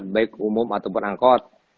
baik umum ataupun angkot